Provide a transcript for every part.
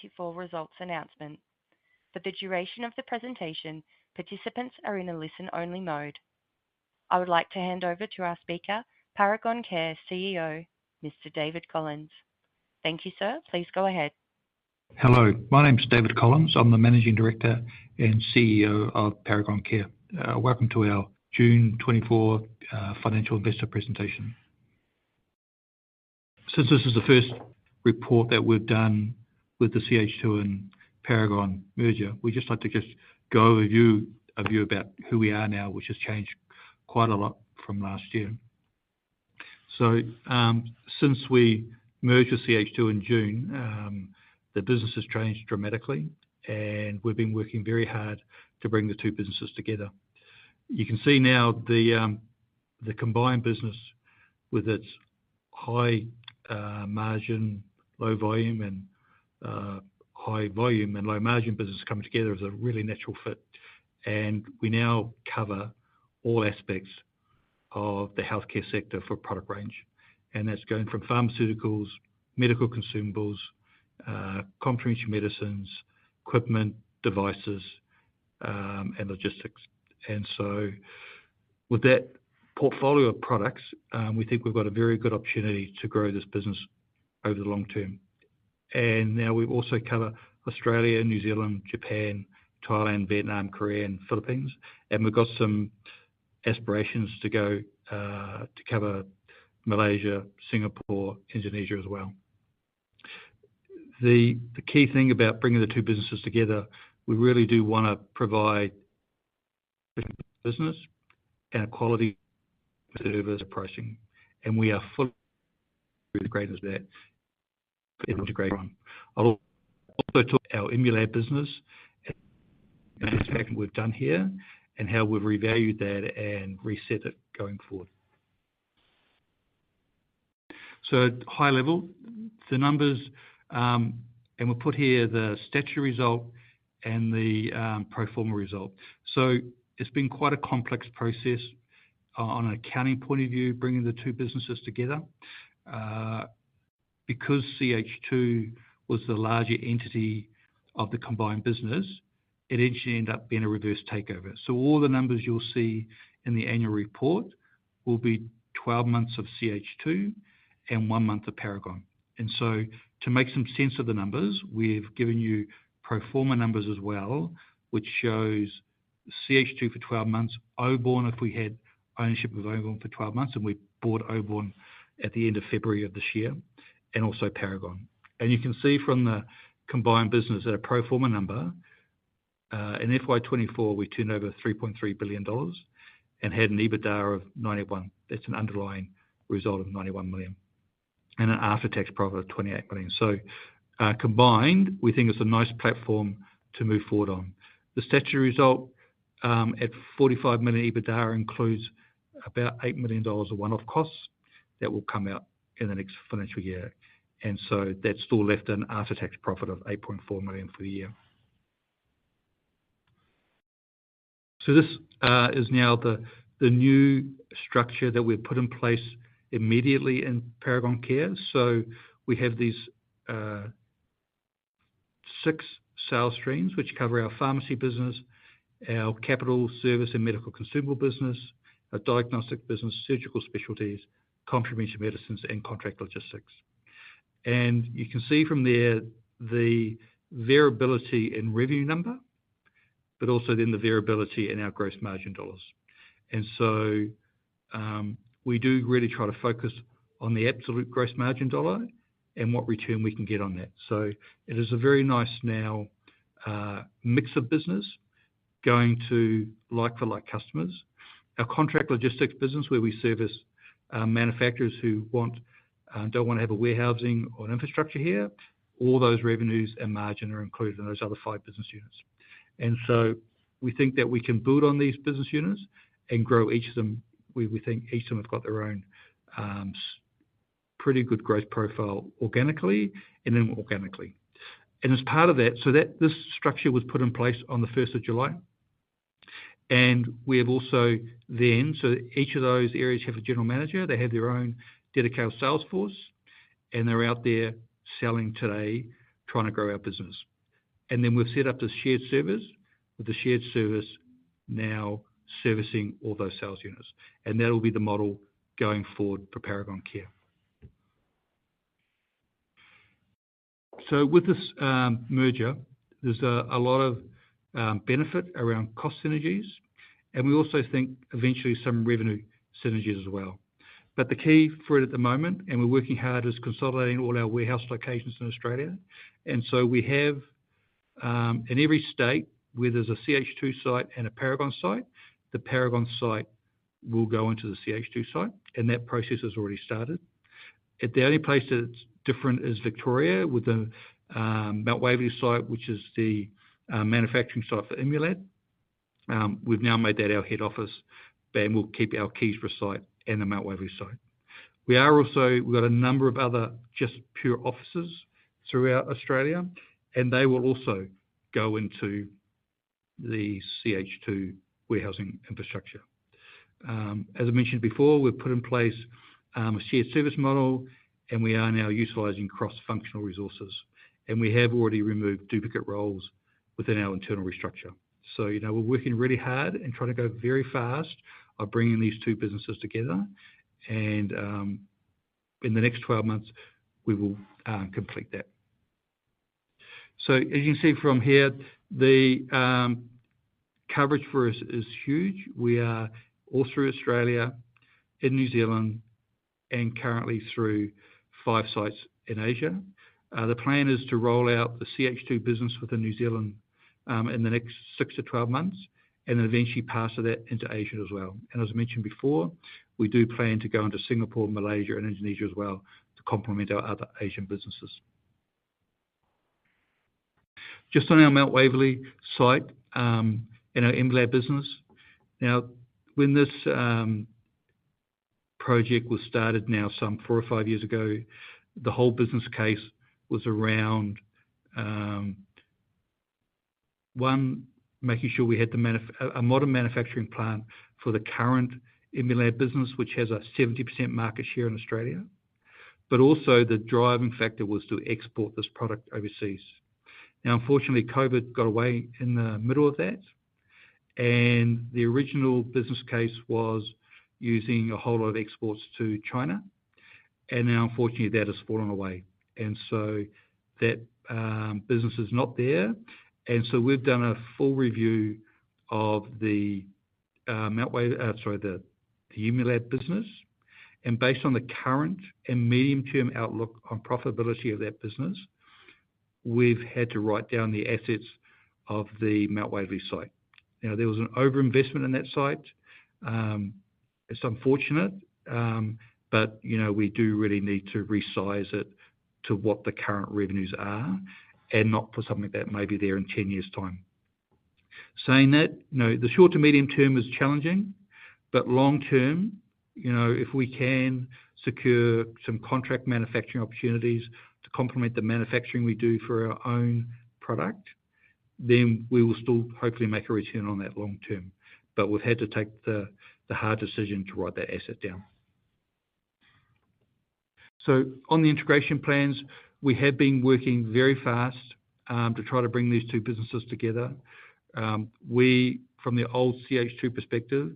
Twenty-four results announcement. For the duration of the presentation, participants are in a listen-only mode. I would like to hand over to our speaker, Paragon Care CEO, Mr. David Collins. Thank you, sir. Please go ahead. Hello, my name is David Collins. I'm the Managing Director and CEO of Paragon Care. Welcome to our June twenty-four financial investor presentation. Since this is the first report that we've done with the CH2 and Paragon merger, we'd just like to just go overview, a view about who we are now, which has changed quite a lot from last year. So, since we merged with CH2 in June, the business has changed dramatically, and we've been working very hard to bring the two businesses together. You can see now the combined business with its high margin, low volume, and high volume and low margin business coming together is a really natural fit, and we now cover all aspects of the healthcare sector for product range, and that's going from pharmaceuticals, medical consumables, complementary medicines, equipment, devices, and logistics. And so with that portfolio of products, we think we've got a very good opportunity to grow this business over the long term. And now we also cover Australia, New Zealand, Japan, Thailand, Vietnam, Korea, and Philippines. And we've got some aspirations to go to cover Malaysia, Singapore, Indonesia as well. The key thing about bringing the two businesses together, we really do wanna provide business and quality service pricing, and we are fully integrated that, integrated. I'll also talk our Immulab business and we've done here, and how we've revalued that and reset it going forward. So at high level, the numbers. And we've put here the statutory result and the pro forma result. So it's been quite a complex process on an accounting point of view, bringing the two businesses together. Because CH2 was the larger entity of the combined business, it actually ended up being a reverse takeover, so all the numbers you'll see in the annual report will be twelve months of CH2 and one month of Paragon. And so to make some sense of the numbers, we've given you pro forma numbers as well, which shows CH2 for twelve months, Oborne, if we had ownership of Oborne for twelve months, and we bought Oborne at the end of February of this year, and also Paragon, and you can see from the combined business at a pro forma number, in FY 2024, we turned over 3.3 billion dollars and had an EBITDA of 91. That's an underlying result of 91 million and an after-tax profit of 28 million, so combined, we think it's a nice platform to move forward on. The statutory result at 45 million EBITDA includes about 8 million dollars of one-off costs that will come out in the next financial year, and so that still left an after-tax profit of 8.4 million for the year. So this is now the new structure that we've put in place immediately in Paragon Care. So we have these six sales streams which cover our pharmacy business, our capital service and medical consumable business, our diagnostic business, surgical specialties, comprehensive medicines, and contract logistics. And you can see from there the variability in revenue number, but also then the variability in our gross margin dollars. And so we do really try to focus on the absolute gross margin dollar and what return we can get on that. So it is a very nice now mix of business going to like-for-like customers. Our contract logistics business, where we service manufacturers who don't want to have a warehousing or infrastructure here. All those revenues and margin are included in those other five business units, and so we think that we can build on these business units and grow each of them. We think each of them have got their own pretty good growth profile, organically and inorganically, and as part of that, so that this structure was put in place on the first of July, and we have also each of those areas have a general manager. They have their own dedicated sales force, and they're out there selling today, trying to grow our business, and then we've set up the shared service, with the shared service now servicing all those sales units, and that'll be the model going forward for Paragon Care. So with this merger, there's a lot of benefit around cost synergies, and we also think eventually some revenue synergies as well. But the key for it at the moment, and we're working hard, is consolidating all our warehouse locations in Australia. And so we have in every state where there's a CH2 site and a Paragon site, the Paragon site will go into the CH2 site, and that process has already started. And the only place that it's different is Victoria, with the Mount Waverley site, which is the manufacturing site for Immulab. We've now made that our head office, and we'll keep our Keysborough site and the Mount Waverley site. We've got a number of other just pure offices throughout Australia, and they will also go into the CH2 warehousing infrastructure. As I mentioned before, we've put in place a shared service model, and we are now utilizing cross-functional resources, and we have already removed duplicate roles within our internal restructure. You know, we're working really hard and trying to go very fast of bringing these two businesses together. In the next 12 months, we will complete that. As you can see from here, the coverage for us is huge. We are all through Australia and New Zealand and currently through 5 sites in Asia. The plan is to roll out the CH2 business within New Zealand in the next 6-12 months and eventually pass that into Asia as well. As I mentioned before, we do plan to go into Singapore, Malaysia and Indonesia as well to complement our other Asian businesses. Just on our Mount Waverley site, in our Immulab business. Now, when this project was started now some four or five years ago, the whole business case was around, one, making sure we had a modern manufacturing plant for the current Immulab business, which has a 70% market share in Australia. But also the driving factor was to export this product overseas. Now, unfortunately, COVID got away in the middle of that, and the original business case was using a whole lot of exports to China, and now unfortunately, that has fallen away, and so that business is not there. We've done a full review of the Immulab business, and based on the current and medium-term outlook on profitability of that business, we've had to write down the assets of the Mount Waverley site. You know, there was an overinvestment in that site. It's unfortunate, but you know, we do really need to resize it to what the current revenues are and not for something that may be there in ten years' time. Saying that, you know, the short to medium term is challenging, but long term, you know, if we can secure some contract manufacturing opportunities to complement the manufacturing we do for our own product, then we will still hopefully make a return on that long term. But we've had to take the hard decision to write that asset down. So on the integration plans, we have been working very fast, to try to bring these two businesses together. We from the old CH2 perspective,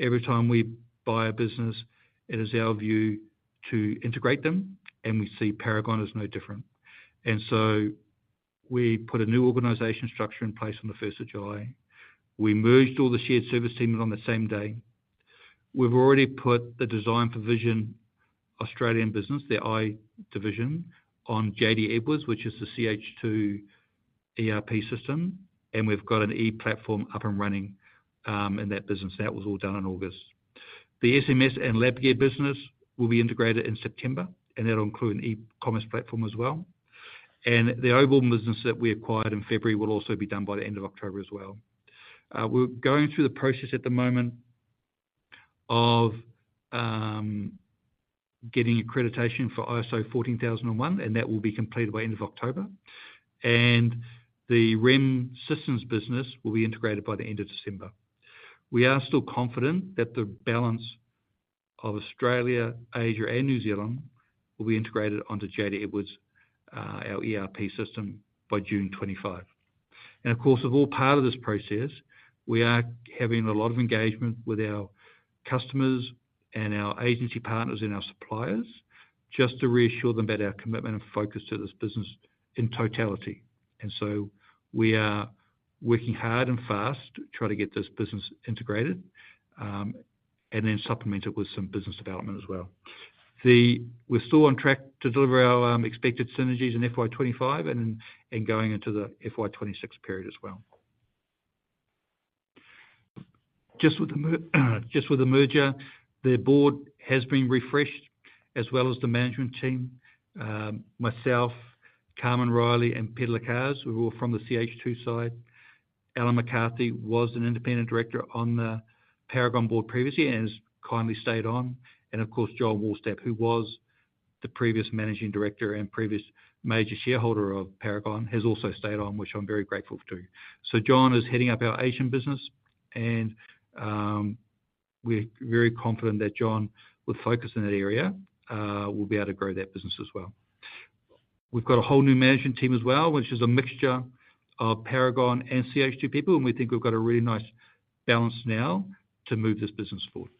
every time we buy a business, it is our view to integrate them, and we see Paragon as no different. And so we put a new organization structure in place on the first of July. We merged all the shared service teams on the same day. We've already put the Design for Vision Australian business, the Eye division, on JD Edwards, which is the CH2 ERP system, and we've got an e-platform up and running, and that business, that was all done in August. The SMS and LabGear business will be integrated in September, and that'll include an e-commerce platform as well. The Obome business that we acquired in February will also be done by the end of October as well. We're going through the process at the moment of getting accreditation for ISO 14001, and that will be completed by end of October, and the REM Systems business will be integrated by the end of December. We are still confident that the balance of Australia, Asia, and New Zealand will be integrated onto JD Edwards, our ERP system, by June 2025. Of course, of all part of this process, we are having a lot of engagement with our customers and our agency partners and our suppliers, just to reassure them about our commitment and focus to this business in totality. And so we are working hard and fast to try to get this business integrated, and then supplement it with some business development as well. We're still on track to deliver our expected synergies in FY 2025 and going into the FY 2026 period as well. Just with the merger, the board has been refreshed as well as the management team, myself, Carmen Riley, and Peter Lacaze, we're all from the CH2 side. Alan McCarthy was an independent director on the Paragon board previously and has kindly stayed on. And of course, John Walstab, who was the previous managing director and previous major shareholder of Paragon, has also stayed on, which I'm very grateful to. John is heading up our Asian business, and, we're very confident that John, with focus in that area, will be able to grow that business as well. We've got a whole new management team as well, which is a mixture of Paragon and CH2 people, and we think we've got a really nice balance now to move this business forward.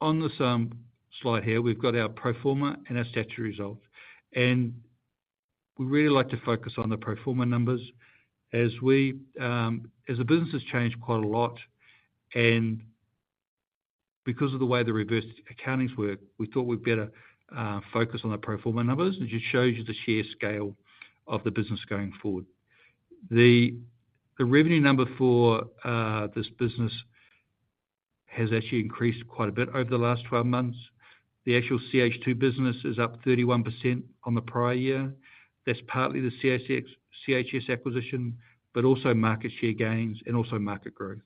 On this slide here, we've got our pro forma and our statutory results, and we really like to focus on the pro forma numbers. As we, as the business has changed quite a lot, and because of the way the reverse takeover works, we thought we'd better, focus on the pro forma numbers. It just shows you the sheer scale of the business going forward. The revenue number for this business has actually increased quite a bit over the last twelve months. The actual CH2 business is up 31% on the prior year. That's partly the CHS acquisition, but also market share gains and also market growth.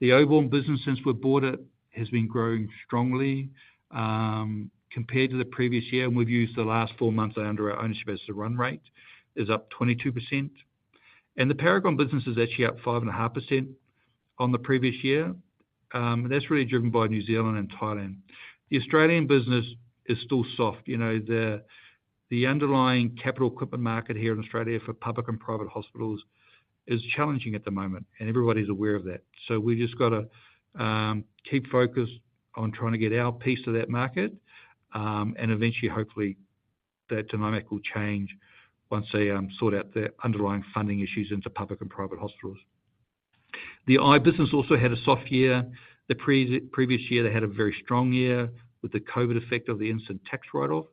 The Oborn business, since we've bought it, has been growing strongly compared to the previous year, and we've used the last four months under our ownership as the run rate, is up 22%. And the Paragon business is actually up 5.5% on the previous year. That's really driven by New Zealand and Thailand. The Australian business is still soft. You know, the underlying capital equipment market here in Australia for public and private hospitals is challenging at the moment, and everybody's aware of that. So we just gotta keep focused on trying to get our piece of that market, and eventually, hopefully, that dynamic will change once they sort out the underlying funding issues into public and private hospitals. The Eye business also had a soft year. The previous year, they had a very strong year with the COVID effect of the instant tax write-off.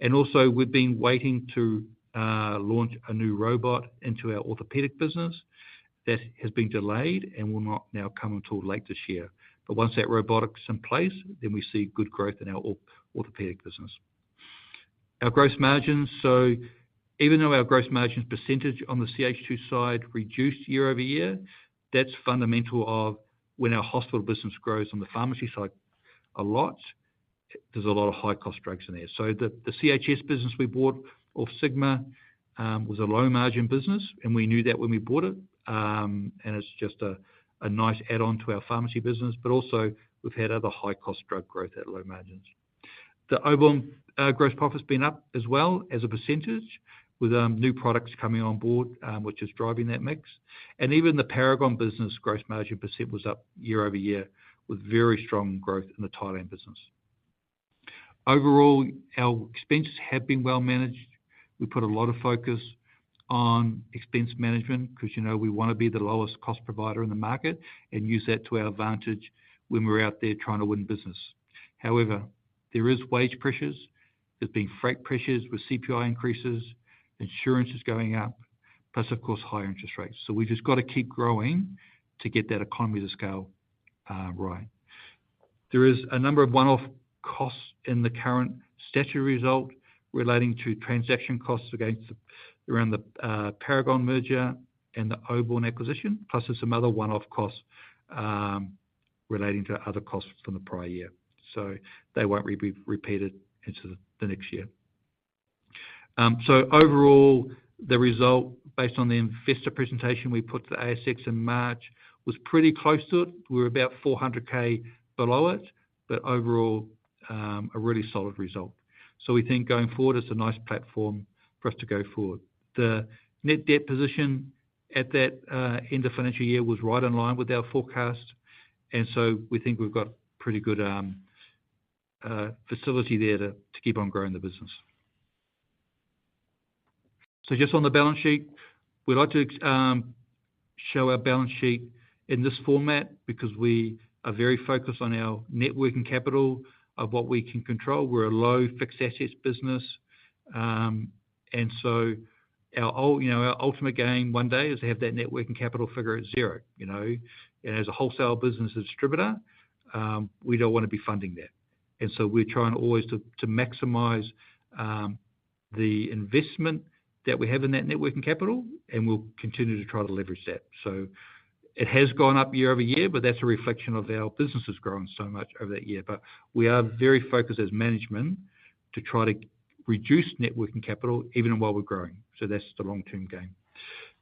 And also, we've been waiting to launch a new robot into our orthopedic business. That has been delayed and will not now come until late this year. But once that robotic's in place, then we see good growth in our orthopedic business. Our gross margins, so even though our gross margins percentage on the CH2 side reduced year over year, that's fundamental of when our hospital business grows on the pharmacy side a lot, there's a lot of high-cost drugs in there. So the CHS business we bought off Sigma was a low-margin business, and we knew that when we bought it. And it's just a nice add-on to our pharmacy business, but also we've had other high-cost drug growth at low margins. The Oborne gross profit has been up as well as a percentage with new products coming on board, which is driving that mix. And even the Paragon business gross margin % was up year over year, with very strong growth in the Thailand business. Overall, our expenses have been well managed. We put a lot of focus on expense management because, you know, we wanna be the lowest cost provider in the market and use that to our advantage when we're out there trying to win business. However, there is wage pressures, there's been freight pressures with CPI increases, insurance is going up, plus of course, higher interest rates, so we've just got to keep growing to get that economy to scale, right. There is a number of one-off costs in the current statutory result relating to transaction costs around the Paragon merger and the Oborne acquisition, plus there's some other one-off costs, relating to other costs from the prior year, so they won't be repeated into the next year, so overall, the result, based on the investor presentation we put to the ASX in March, was pretty close to it. We're about 400,000 below it, but overall, a really solid result, so we think going forward is a nice platform for us to go forward. The net debt position at that end of financial year was right in line with our forecast, and so we think we've got pretty good facility there to keep on growing the business, so just on the balance sheet, we'd like to show our balance sheet in this format because we are very focused on our Net Working Capital of what we can control. We're a low-fixed assets business, and so our ultimate gain one day is to have that Net Working Capital figure at zero, you know, and as a wholesale business distributor, we don't wanna be funding that, and so we're trying always to maximize the investment that we have in that Net Working Capital, and we'll continue to try to leverage that. So it has gone up year over year, but that's a reflection of our business has grown so much over that year. But we are very focused as management to try to reduce net working capital even while we're growing. So that's the long-term gain.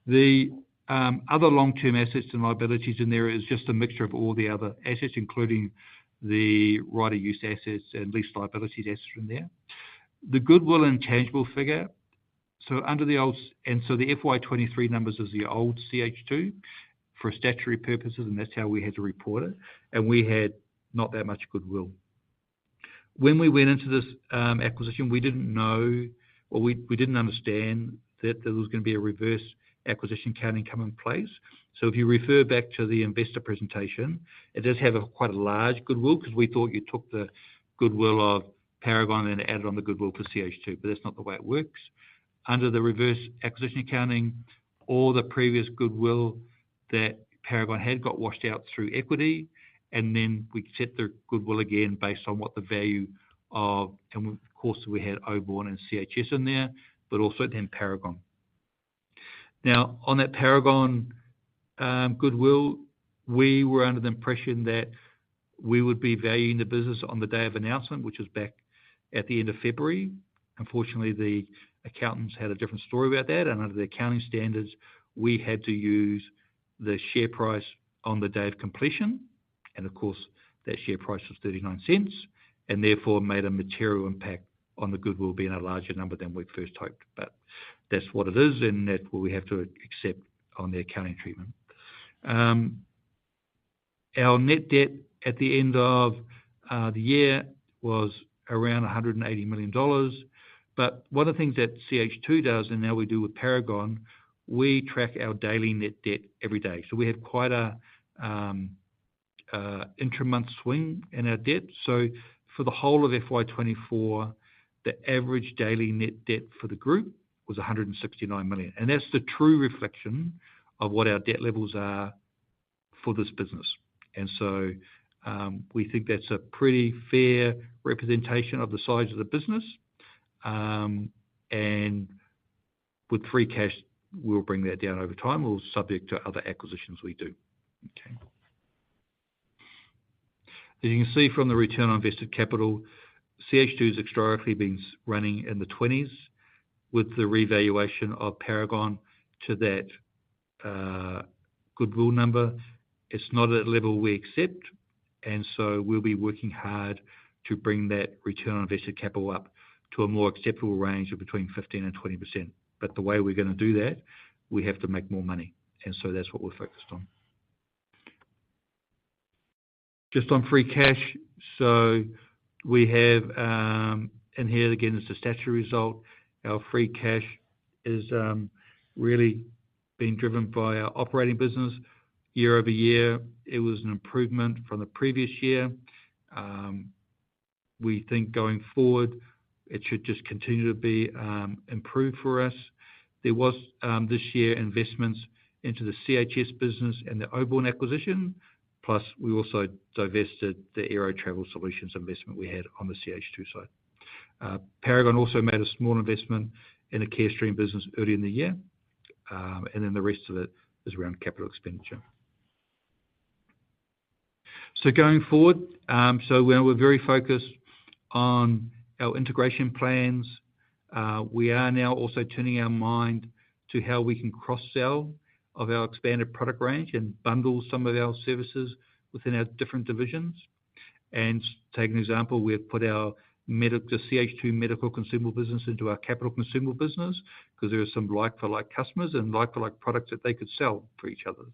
The other long-term assets and liabilities in there is just a mixture of all the other assets, including the right-of-use assets and lease liabilities in there. The goodwill and intangible figure, so under the old and so the FY 2023 numbers is the old CH2 for statutory purposes, and that's how we had to report it, and we had not that much goodwill. When we went into this acquisition, we didn't know or we, we didn't understand that there was gonna be a reverse acquisition accounting come in place. So if you refer back to the investor presentation, it does have quite a large goodwill because we thought you took the goodwill of Paragon and added on the goodwill for CH2, but that's not the way it works. Under the reverse acquisition accounting, all the previous goodwill that Paragon had got washed out through equity, and then we set the goodwill again based on what the value of and of course, we had Oborne and CHS in there, but also then Paragon. Now, on that Paragon goodwill, we were under the impression that we would be valuing the business on the day of announcement, which was back at the end of February. Unfortunately, the accountants had a different story about that, and under the accounting standards, we had to use the share price on the day of completion, and of course, that share price was 0.39, and therefore made a material impact on the goodwill being a larger number than we first hoped. But that's what it is, and that we have to accept on the accounting treatment. Our net debt at the end of the year was around 180 million dollars. But one of the things that CH2 does, and now we do with Paragon, we track our daily net debt every day. So we have quite a intra-month swing in our debt. So for the whole of FY twenty-four, the average daily net debt for the group was 169 million, and that's the true reflection of what our debt levels are for this business. And so, we think that's a pretty fair representation of the size of the business. With free cash, we'll bring that down over time or subject to other acquisitions we do. Okay. As you can see from the return on invested capital, CH2 has historically been running in the twenties with the revaluation of Paragon to that, goodwill number. It's not at a level we accept, and so we'll be working hard to bring that return on invested capital up to a more acceptable range of between 15% and 20%. But the way we're gonna do that, we have to make more money, and so that's what we're focused on. Just on free cash, so we have, and here again, it's a statutory result. Our free cash is really being driven by our operating business. Year over year, it was an improvement from the previous year. We think going forward, it should just continue to be improved for us. There was this year investments into the CHS business and the Oborne acquisition, plus we also divested the Aero Travel Solutions investment we had on the CH2 side. Paragon also made a small investment in the Carestream business early in the year, and then the rest of it is around capital expenditure. So going forward, we're very focused on our integration plans. We are now also turning our mind to how we can cross-sell of our expanded product range and bundle some of our services within our different divisions. And to take an example, we have put the CH2 medical consumable business into our capital consumable business because there are some like-for-like customers and like-for-like products that they could sell for each other.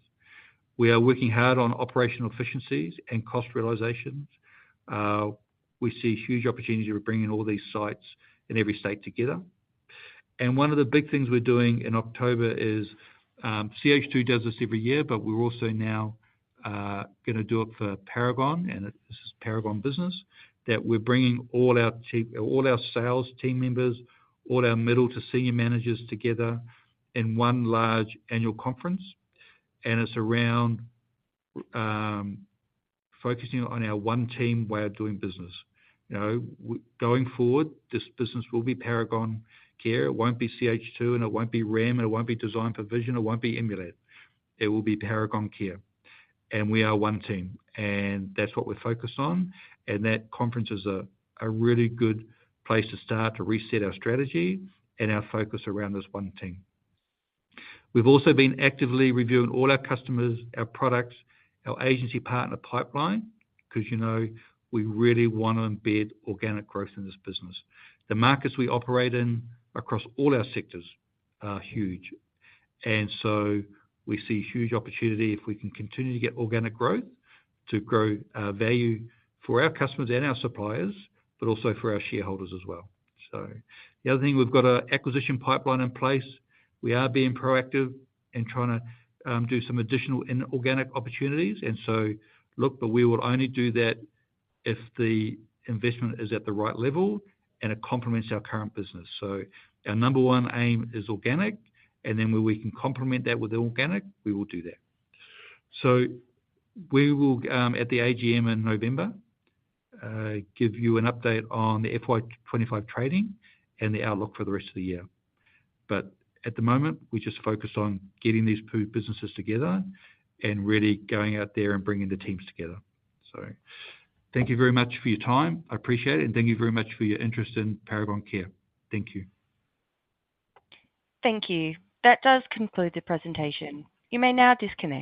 We are working hard on operational efficiencies and cost realizations. We see huge opportunity for bringing all these sites in every state together. And one of the big things we're doing in October is, CH2 does this every year, but we're also now gonna do it for Paragon, and this is Paragon business, that we're bringing all our team, all our sales team members, all our middle to senior managers together in one large annual conference, and it's around focusing on our one team way of doing business. You know, going forward, this business will be Paragon Care. It won't be CH2, and it won't be REM, and it won't be Design for Vision, it won't be Immulab. It will be Paragon Care, and we are one team, and that's what we're focused on, and that conference is a really good place to start to reset our strategy and our focus around this one team. We've also been actively reviewing all our customers, our products, our agency partner pipeline, 'cause, you know, we really wanna embed organic growth in this business. The markets we operate in across all our sectors are huge, and so we see huge opportunity if we can continue to get organic growth, to grow value for our customers and our suppliers, but also for our shareholders as well. So the other thing, we've got an acquisition pipeline in place. We are being proactive in trying to do some additional inorganic opportunities, and so look, but we will only do that if the investment is at the right level and it complements our current business. Our number one aim is organic, and then where we can complement that with organic, we will do that. We will at the AGM in November give you an update on the FY twenty-five trading and the outlook for the rest of the year. At the moment, we're just focused on getting these two businesses together and really going out there and bringing the teams together. Thank you very much for your time. I appreciate it, and thank you very much for your interest in Paragon Care. Thank you. Thank you. That does conclude the presentation. You may now disconnect.